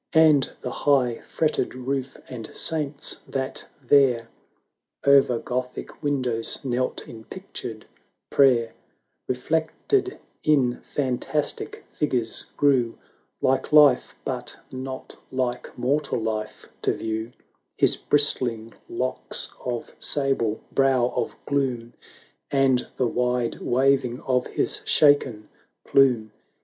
And the high fretted roof, and saints, that there O'er Gothic windows knelt in pictured prayer, Reflected in fantastic figures grew Like life, but not like mortal life, to view ; His bristling locks of sable, brow of gloom. And the wide waving of his shaken plume.